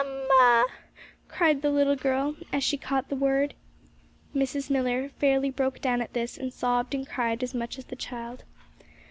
Ma ma!' cried the little girl, as she caught the word. Mrs. Millar fairly broke down at this, and sobbed and cried as much as the child.